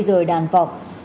di rời đàn vọc